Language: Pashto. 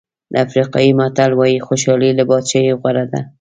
افریقایي متل وایي خوشالي له بادشاهۍ غوره ده.